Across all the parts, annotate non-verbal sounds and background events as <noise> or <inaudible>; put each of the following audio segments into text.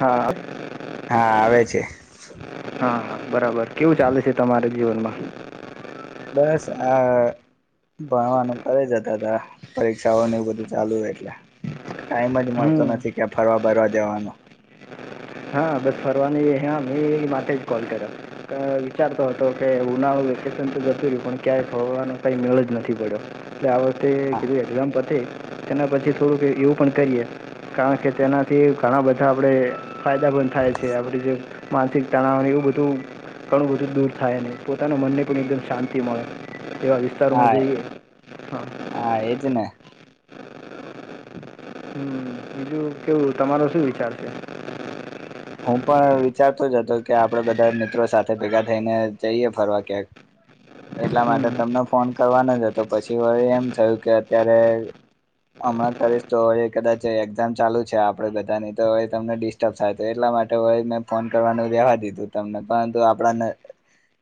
હા હા આવે છે હા હા બરાબર કેવું ચાલે છે તમારા જીવનમાં બસ આ ભણવાનું કરે જતા હતા પરીક્ષાઓનું એવ બધું ચાલુ હો એટલે ટાઈમ જ મળતો હમ નથી કે્યા ફરવા બરવા જવાનો. હા બસ ફરવાની હા મેં માટે જ કોલ કર્યો વિચારતો હતો કે ઉના વેકેશન તો જતું રહ્યું પણ ક્યાંય ફળવવાનો કઈ મેળ જ નથી પડ્યો તસ્તે કધું એક્ઝામ પતીતે તેના પછી થોડુંક એવું પણ કરીએ કારણ કે તેનાથી ઘણા બધા આપડે ફાયદા પણ થાય છે આપણી જે માનસિક તણાવને એવું બધું ઘણું બધું દૂર થાય અનેને પોતાના મનને પણ એકદમ શાંતિ મળે એવા વિસ્તારોમાં હા જઈએ હા હા એજ ને હમ બીજું કેવું તમારો શું વિચાર છે હું પણ વિચારતો જ હતો કે આપડે બધા મિત્રો સાથે ભેગા થઈને જઈએ ફરવા ક્યાંક એટલા માટે હમ તમને ફોન કરવાનો જ હતો પછી વળ એમ થયું કે અત્યારે હમણાં કરીશ તો હવે કદાચ એક્ઝામ ચાલુ છે આપડે બધાની તો હ તમને ડિસ્ટર્બ થાય એટલા માટે હોય મેં ફોન કરવાનું રેવા દીધું તમને પરંતુ આપણા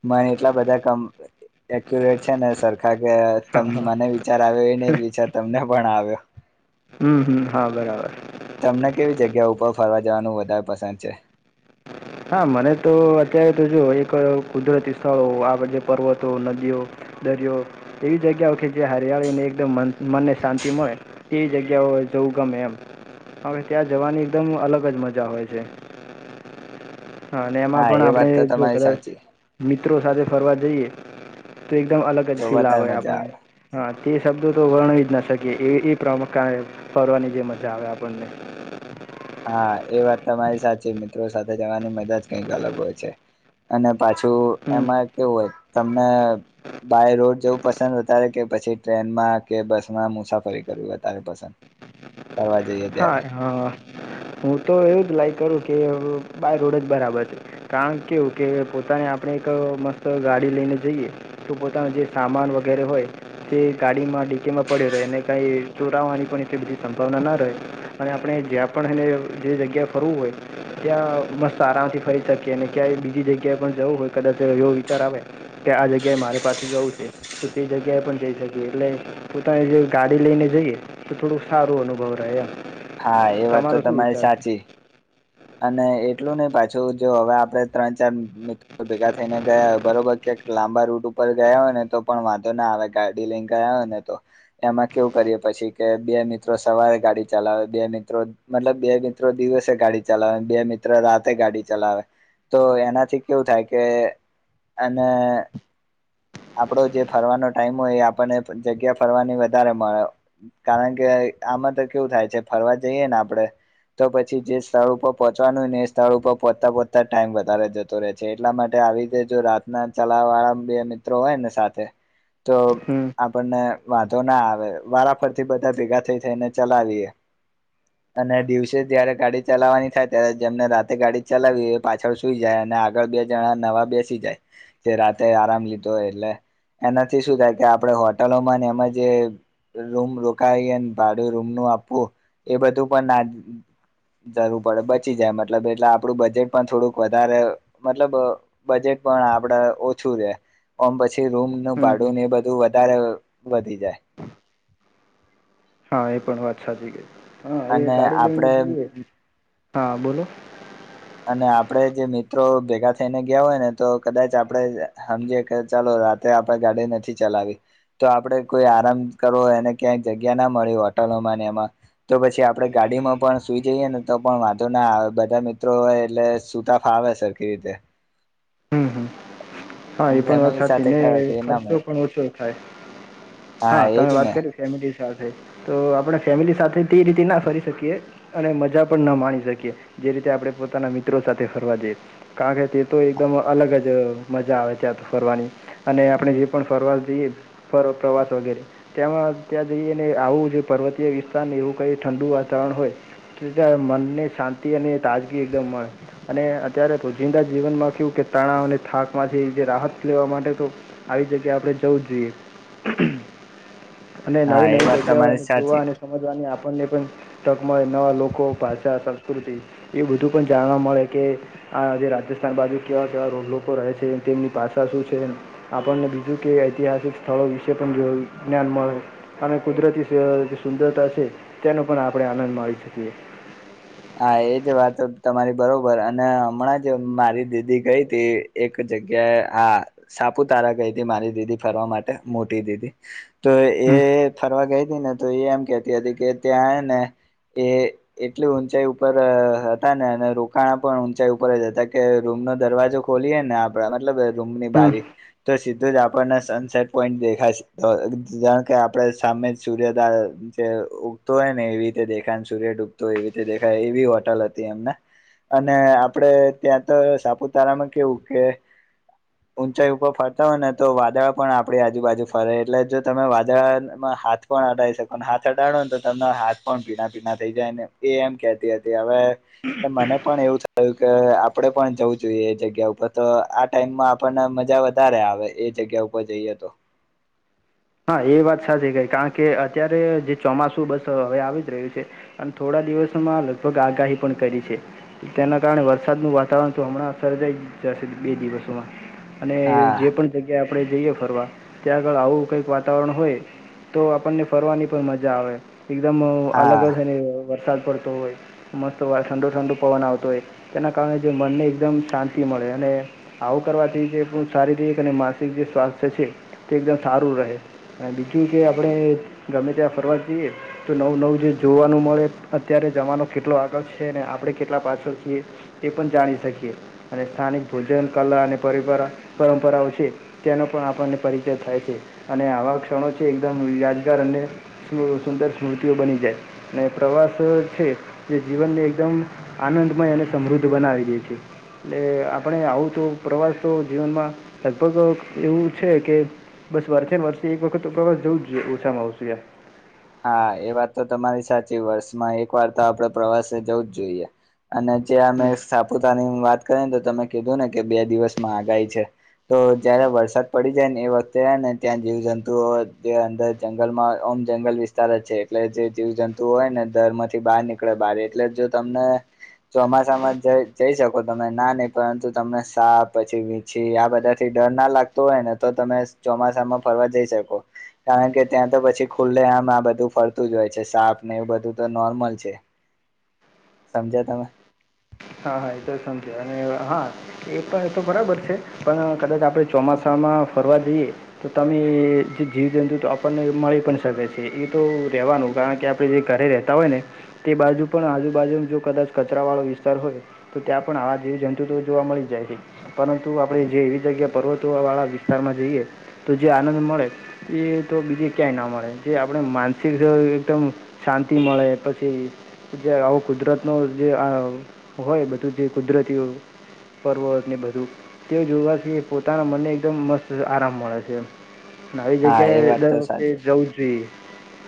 મને એટલા બધા કમ એક્યુરેટ છે ને સરખા કે હા હા. મને વિચાર આવ્યો એને જ વિચાર તમને પણ આવ્યો હમ હમ હા બરાબર તમને કેવી જગ્યા ઉપર ફરવા જવાનું વધારે પસંદ છે હા મને તો અત્યારે તો જો એક કુદરતી સ્થળો આ બધ પર્વતો નદીઓ દરિયો એવી જગ્યાઓ કે જે હરિયાળીને એકદમ મનને શાંતિ મળે તેવી જગ્યાઓ જવું ગમે એમ હવે ત્યાં જવાની એકદમ અલગ જ મજા હોય છે હા અને એમાં પણ એ આપણે વાત તો જો તમારી કદાચ સાચી મ મ સાથે ફરવા જઈએ તો એકમ અલગ જ તો ફીલ વધારે આવે આપ મજા હ શબ્દો તો વર્ણ જ ના શકીએ એ પ્રણે ફરવાની જે મજા આવે આપણને હા એ વાત તમારી સાચી મિત્રો સાથે જવાની મજા જ કઈક અલગ હોય છે અને પાછું એમાં કેવું હોય તમને બાય રોડ જવું પસંદ વધારે કે પછી ટ્રેનમાં કે બસમાં મુસાફરી કરવી વધારે પસંદ <inaudible> કરવા જઈએ ત્યારે હા હું તો એવું જ લાઈક કરું કે બાય રોડ જ બરાબર છે કારણ કેવું કે પોતા આપણે એક મસ્ત ગાડી લઈને જઈએ તો પોતાનો જે સામાન વગેરે હોય તે ગાડી ડીમાં પડ્યો એને કઈ ચોરાવાની પણ એ બધી સંભાવના ના રહે અને આપણે જ્યાં પણ એને જે જગ્યાએ ફરવું હોય ત્યાં મસ્ત આરામથી ફરી શકીએ અનેને ક્યાંય બીજી જગ્યાએ પણ જવું હોય કદાચ એવો વિચાર આવે કે આ જગ્યાએ મારે પાસે જવું છે તો તે જગ્યાએ પણ જઈ શકીએ એટલે પોતાની જે ગાડી લઈને જઈ એ તો થોડું સારું અનુભવ રહે આ. હા, એ વાત તો તમારી સાચી. અને એટલું નહ પાછું જો હવે આપડે ત્રણ ચાર મિત્રો ભેગા થઈને ગયાય બરોબર કે એક લાંબા રૂટ ઉપર ગયા હોય ને તો પણ વાંધો ના આવે ગાડી લઈને ગયા હોય ને તો. એમાં કેવું કરીએ કે પછી કે બે મિત્રો સવારે ગાડી ચલાવે બે મિત્રો મતલબ બે મિત્રો દિવસે ગાડી ચલાવે ને બે મિત્ર રાતે ગાડી ચલાવે તો એનાથી કેવું થાય કે અને આપડો જે ફરવાનો ટાઈમ હોય. એ આપને જગ્યા ફરવાની વધારે મળે. કારણ કે તો એ આમાં તો કેવું થાય છે ફરવા જઈએ ને આપડે. તો પછી જે સ્થળ ઉપર પહોંચવાનું ને એ સ્થળ ઉપર પહોંતા પહોચતા ટાઈમ વધારે જતો રહે છે. એટલા માટે આવી રીતે જો રાત ચલાવ વાળા બે મિત્રો હોય ને સાથે તો હમ આપણને વાંધો ના આવે વારા પરરથી બધા ભેગા થઈ થઈને ચલાવીએે. અને દિવસે ત્યારે ગાડી ચલાવવાની થાય. ત્યારે જેમને રાતે ગાડી ચલાવી એ પાછળ સુઈ જાય. અને આગળ બે જણા નવા બેસી જાય. તે રાતે આરામ લીધોય એટલે એનાથી શું થાય કે આપડે હોટલોમાં ને એમાં જે રૂમ રોકાય અને ભાડું રૂમનું આપવું એ બધું પણ ના જરૂર પડે બચી જાય. મતલબ એટલે આપડું બજેટ પણ થોડુંક વધારે મતલબ બજેટ પણ પણ આપડે ઓછું રે. ઓમ પછ ટી રૂમનું હમ હમ ભાડું એ બધું વધારે વધી જાય. હા એ પણ વાત સાચી કઈ અને આ ગાડી લઈ જોઈએ. હા બોલો. અને આપડે જે મિત્રો ભેગા થઈને ગયા હોય ને તો કદાચ આપડે હમજે કે ચાલો રાતે આપે ગાડી નથી ચલાવી. તો આપડે કોઈ આરામ કરવો એને ક્યાંય જગ્યા ના મળી હોત તો એમાં ને એમાં. તો પછી આપડે ગાડીમાં પણ સુઈ જઈએ ને તો પણ વાંધો ના આવે બધા મિ તો એ એટલે સુતા ફાવે સરખી રીતે. હમ હમ હા એ પણ વાત ફેમિલી સાચ સાથે ને ગયો તો એ ના ખર્ચો મળે પણ ઓછો થાય. હા, તમે એજ વાત ને કરી ફેમિલી સાથે તો આપણે ફેમિલી સાથે તે રીતે ના ફરી શકીએ. અને મજા પણ ન માણી શકીએ. જે રીતે આપણે પો તાના મિત્રો સાથે ફરવા જઈ. કારણ કે તે તો એકદમ અલગ જ અહ મજા આવે ત્યાં તો ફરવાની અને આપણે જે પણ ફરવા જઈએ. ફર પ્રવાસ વગેરે ત્યાં અ ત્યાં જઈ ને આવું પર્વતીય વિસ્તારને એવું કઈ ઠંડુ વાતાવરણ હોય. તો ત્યાં મનને શાંતિ અને તાજગી એકદમ મળે અને અત્યારે રોજિંદા જીવનમાં કયું કે તણાવ અને થાક માંથી જે રાહત લેવા માટે તો આવી જગ્યા આપણે જવું જોઈએ. અને હા એ નવી-નવી વાત તમારી જગ્યાઓને સાચી જોવા અને સમજવાની આપ પન ને પણ તક મળે નવા લોકો ભાષા સંસ્કૃતિ એ બધું પણ જાણવા મળે કે આ આજે રાજસ્થાન બાજુ કેવા કેવા રોડ લોકો રહે છે. છે. તેમની પાછા શું છે? આપણને બીજું કે ઐતિહાસિક સ્થળો વિશે પણ જો જ્ઞાન મ અને કુદરતી સ-સુંદરતા છે. તેનો પણ આપણે આનંદ માણી શકીએ. હા એજ વાત તો તમારી બરોબર અને હમણાં જે મારી દીદી ગઈ તી એક જગ્યાએ આ સા આપુતારા ગઈ તી મારી દીદી ફરવા માટે મોટી દીદી તો એ હમ ફરવા ગઈ ને તો એ એમ કેતી હતી. કે ત્યાં ને એ એટલી ઊંચાઈ ઉપર અહ હતા ને અને રોકાણ પણ ઊંચાઈ ઉપર જ હતા કે રૂમ નો દરવાજો ખોલીએ ને આપ બરા મતલબ રૂમની હમ બારી તો સીધું જ આપણને સનસેટ પોઈન્ટ દેખાશે. તો ધારણ કે આપડે સામે સૂર્ય દા જે ઉગતો હોય ને એવી રીતે દેખાય સૂર્ય ઉગતો એવી રીતે દેખાય એવી હોટલ હતી એમને અને આપડે ત્યાં તો સાપુતારામાં કેવું કે ઊંચાઈ ઉપર ફરતા હોય ને તો વાદળા પણ આપણી આજુબાજુ ફરે એટલે જો તમે વાદળામાં હાથ પણ અડા શકો હાથ અડાડોને તો તમને હાથ પણ ભીના-ભીના થઈ જાય ને. એ એમ કેતી હતી હવે મને પણ એવું થયું કે આપડે પણ જવું જોઈએ એ જગ્યા ઉપ તો તો આ ટાઈમમાં આપણને મજા વધારે આવે એ જગ્યા ઉપર જઈએ તો. <inaudible> હા એ વાત સાચી કઈ કારણ કે અત્યારે જે ચોમાસું બસ હવે આવી જ રહ્યું છે. આન થોડા દિવસોમાં લગભગ આગાહી પણ કરી છે. તેના કારણે વરસાદનું વાતાવરણ તો હમણાં સર્જાય વિચારશે બે દિવસોમાં અને હા જે પણ જગ્યાએ આપણે જઈએ ફરવા ત્યાં આગળ આવું કંઈક વાતાવરણ હોય તો આપણને ફરવાની પણ મજા આવે એકદમ હા અલગ જ અને વરસાદ પડતો હોય મસ્ત વા ઠંડો ઠંડો પવન આવતો હોય તેના કારણે જે મનને એકદમ શાંતિ મળે અને આવું કરવાથી જે શારીરિક અને માનસિક જે સ્વાસ્થ્ય છે તે એકદમ સારું રહે. અને બીજું કે આપણે ગમે ત્યાં ફરવા જઈએ તો નવું નવું જે જોવાનું મળે અ અત્યારે જવાનો કેટલો આગર્શ છે અને આપણે કેટલા પાછળ છીએ એ પણ જાણી શકીએ અને સ્થાનિક ભોજન કલા અને પરિપરા પરંપરાઓ છે તેનો પણ આપણને પરિચય થાય છે. અને આવા ક્ષણો છે એકદમ યાદગાર અને સુ સુંદર સ્મૃતિઓ બની જાય અને પ્રવા અસ છે જે જીવનને એકદમ આનંદમય અને સમૃદ્ધ બનાવી દે છે. લે આપણે આવું તો પ્રવાસ તો જીવનમાં લગભગ અક એવું છે કે બસ વ્યારખે વરતી એક વખતસ જવું જ જોઈએ ઓછામાં આવશું યાર. હા, એ વાત તો તમારી સાચી વર્ષમાં એક વાર તો આપડ પ્રવાસે જવું જ જોઈએ. અને જ્યાં ને સાપુતા ની વાત કરીને તો તમે કીધું ને કે બે દિવસમાં આગાઈ છે. તો જયારે વરસાદ પડી જાય ને એ વખતે ને ત્યાં જીવ જંતુઓ જે અંદર જંગલમાં અહ અમ્ જંગલ વીસ ચારે છે એટલે જે જીવ જંતુ હોય ને દર માંથી બહાર નીકળે બારે એટલે જો તમને ચોમા ચોસામાં જઈ શકો તમે ના નહી પરંતુ તમને સા પછી વીછી આ બધા થી ડર ના લ લાગતું હોય ને તો તમે ચોમાસામાં ફરવા જઈ શકો કારણ કે ત્યાં તો પછી ખુલ્લે આમ બધું ફરતું જ હોય છે સાપ ને એવું બધું તો નોર્મલ છે. સમજ્યા તમે. હા હા એ તો સમજ અને હા એ પણ તો બરાબર છે પણ કદાચ આપણે ચોમાસામાં માં ફરવા જઈએ તો તમે જે જીવ જંતુ તો આપણને મળી પણ શકે છે એ તો રે વાનું કરવાનું કારણ કે આપણે જે ઘરે રહેતા હોય ને તે બાજુ પણ આજુબાજુ જો કદાચ કચરાવાળો વિસ્તાર હોય. તો ત્યાં પણ આવા જેવી જંતુ તો જોવા મળી જાય છે પરંતુ આપણે જે એવી જગ્યા પર્વતો વાળા વિ વિસ્તારમાં જઈએ તો જે આનંદ મળે એ તો બીજે ક્યાંય ના મળે જે આપણે માનસિક એકદમ શાંતિ મળે પછી જે આવો કુદરત નો આ હોય બધું જે કુદરતીઓ પર્વત ને બધું તે જોવાથી પોતાના મનને એકદમ મસ્ત આરામ મળે છે. આવી હા એ જગ્યાએ વાત દર તો વખતે સાચી જવું જોઈએ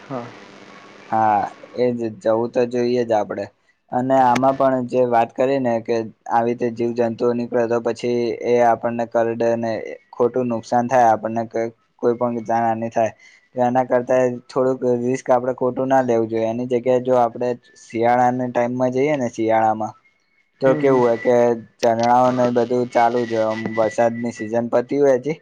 હા. હા એજ જવું તો જોઈએ જ આપડે. અને આમાં પણ જે વાત કરી ને કે આવી રીતે જીવ જંતુઓ નીકળે તો પછી એ અપ આપને કરડે ને ખોટું નુકસાન થાય આપણને કોઈ પણ જાણની થાય ત્યાં ના કરતા થોડો રિસ્ક આપડા ખોટું ના લેવું જોઈએ એની જગ્યાએ જો આપડણે શિયાળાની ટાઈમમાં જઈએ ને શિયાળામાં તો હમ કેવું હમ હોય કે ચઝરણા ને બધું ચાલુ જ વરસાદની સિઝન પતી હોય છે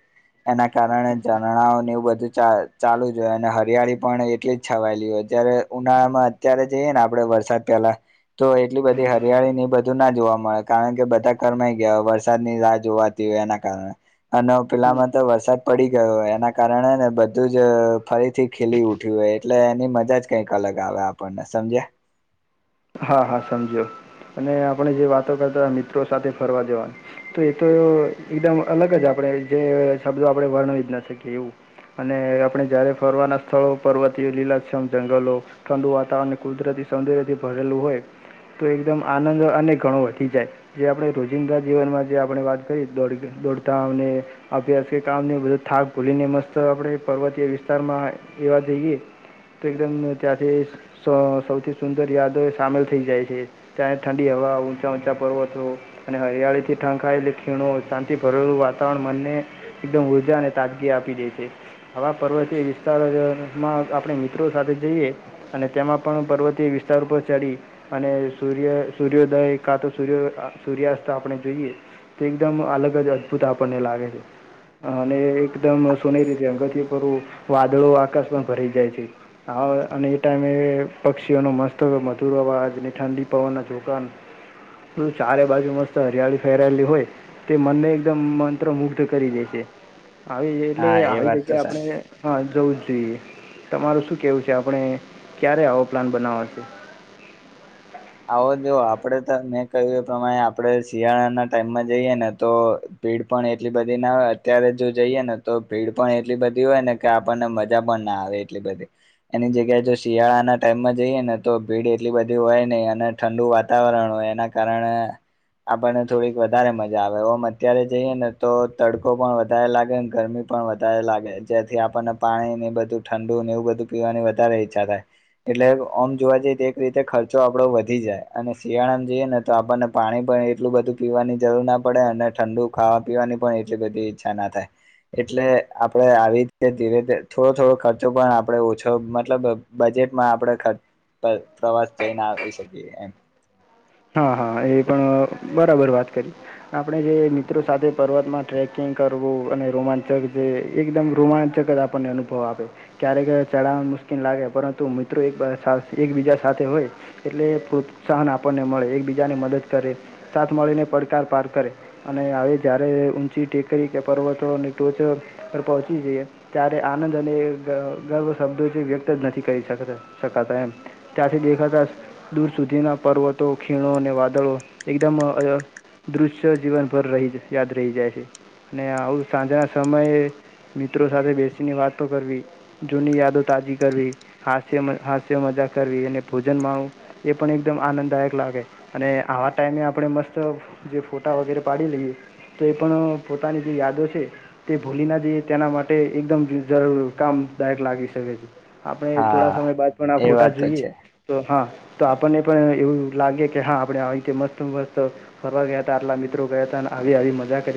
એના કારણે ઝરણાઓનેવ બધ ચ ચાલુ જ હોય અને હરિયાળી પણ એટલી જ છવાયેલી રે જ્યારે ઉનાળામાં અત્યારે જઈએ ને આપડે વરસાદ પેલા તો એટલી બધી હરિયાળી ને એ બધું ના ન જોવા મળે કારણ કે બધા ઘરમાય ગયા હોય વરસાદની રાહ જોવાતી હોય એના કારણે અને પેલા માં તો વરસાદ પડી ગયો હોય એના કારણે ને બધું જ ફરીથી ખીલી ઉઠ્યું હોય એટલે એની મજા જ કઈક અલગ આવે આપણને સમજે. હા હા સમજ્યો. અને આપણે જે વાતો કરતા મિત્રો સાથે ફરવા જવા તો એ તો એકદમ અલગ જ આપણે આપણે જે શબ્દો આપડે વર્ણ જ ના શકીએ એવું. અને આપણે જારે ફરવાના સ્થળો પર્વતીયો લીલાક્ષમ જંગલો ઠંડુ વાતાવરણ કુદરતી સૌંદર્યથી ભરેલું હોય. તો એકદમ આનંદ અનેક ઘણો વધી જાય, જે આપણે રોજિંદા જીવનમાં જે આપણે વાત કરી દોડી દોડધામ ને, અભ્યાસ કે કામને, બધો થાક ભૂલીને, મસ્ત આપણે પર્વતીય વિસ્તારમાં રેવા જઈએ, તો એકદમ ત્યાંથી સ સૌથી સુંદર યાદ તો એ સામેલ થઈ જાય છે ત્યાં ઠંડી હવા, ઊંચા ઊંચા પર્વતો, અને હરિયાળીથી ઢંકાયેલી ખીણો, સાંતિ ભરેલું વાતાવરણ, મનને એકદમ ઉર્જા અને તાજગી આપી દે છે. આવા પર્વતીય વિસ્તારોમાં આપણે મિત્રો સાથે જઈએ અને તેમાં પણ પર્વતીય વિસ્તાર ઉપર ચડી અને સૂર્ય સૂર્યોદય કાં તો સૂર્ય સૂર્યાસ્ત આપણે જોઈએ તો એકદમ અલગ જ અદ્ભુત આપણને લાગે છે અને એકદમ સોનેરી રંગથી પૂરું વાદળો આકાશ પણ ભરાઈ જાય છે આ અને એ ટાઈમે પક્ષીઓનો મસ્ત મધુર અવાજ અને ઠંડી પવનના ઝોકાં બધું ચારે બાજુ મસ્ત હરિયાળી ફેલાયેલી હોય તે મનને એકદમ મંત્રમુગ્ધ કરી દે છે આવી એટલે હા એ આવી વાત જગ્યાએ તો સાચી આપણે હા જવું જ જોઈએ તમારું શું કહેવું છે આપણે ક્યારે આવો પ્લાન બનાવાશે આવો જો આપડે તો મેં કહ્યું એ પ્રમાણે આપડે શિયાળાના ટાઈમમાં જઈએ ને તો ભીડ પણ એટલી બધી ના હોય અત્યારે જો જઈએ ને તો ભીડ પણ એટલી બધી હોય ને કે આપણને મજા પણ ના આવે એટલી બધી એની જગ્યાએ જો શિયાળાના ટાઈમમાં જઈએ ને તો ભીડ એટલી બધી હોય નહી અને ઠંડુ વાતાવરણ હોય એના કારણે આપણને થોડીક વધારે મજા આવે ઓમ અત્યારે જઈએ ને તો તડકો પણ વધારે લાગે ને ગરમી પણ વધારે લાગે જેથી આપણને પાણી ને બધું ઠંડુ ને એવું બધું પીવાની વધારે ઈચ્છા થાય એટલે ઓમ જોવા જઈએ તો એક રીતે ખર્ચો આપડો વધી જાય અને શિયાળામાં જઈએ ને તો આપણને પાણી પણ એટલું બધું પીવાની જરૂર ના પડે અને ઠંડુ ખાવા પીવાની પણ એટલી બધી ઈચ્છા ના થાય એટલે આપણે આવી રીતે ધીરે થોડો થોડો ખર્ચો પણ આપણે ઓછો મતલબ બજેટમાં આપણે ખર્ચ પ્રવાસ જઈને આવી શકીએ એમ હા હા એ પણ બરાબર વાત કરી આપણે જે મિત્રો સાથે પર્વતમાં ટ્રેકિંગ કરવું અને રોમાંચક જે એકદમ રોમાંચક જ આપણને અનુભવ આપે ક્યારેક ચઢાણ મુશ્કેલ લાગે પરંતુ મિત્રો એક એકબીજા સાથે હોય એટલે પ્રોત્સાહન આપણને મળે એકબીજાને મદદ કરે સાથ મળીને પડકાર પાર કરે અને હવે જ્યારે ઊંચી ટેકરી કે પર્વતોની ટોચ પર પહોંચી જઈએ ત્યારે આનંદ અને ગર્વ શબ્દો જે વ્યક્ત જ નથી કરી શકતા શકાતા એમ ત્યાંથી દેખાતા દૂર સુધીના પર્વતો ખીણો અને વાદળો એકદમ દૃશ્ય જીવનભર રહી યાદ રહી જાય છે અને આવું સાંજના સમયે મિત્રો સાથે બેસીને વાતો કરવી જૂની યાદો તાજી કરવી હાસ્ય હાસ્ય મજા કરવી અને ભોજન માણવું એ પણ એકદમ આનંદદાયક લાગે અને આવા ટાઈમે આપણે મસ્ત જે ફોટા વગેરે પાડી લઈએ તો એ પણ પોતાની જે યાદો છે તે ભૂલી ના જઈએ તેના માટે એકદમ જરૂર કામદાયક લાગી શકે છે આપણે હા થોડા સમય બાદ પણ આ એ ફોટા વાત તો જોઈએ છે તો હા તો આપણને પણ એવું લાગે કે હા આપણે આવી રીતે મસ્ત મસ્ત ફરવા ગયા હતા આટલા મિત્રો ગયા હતા અને આવી આવી મજા કરી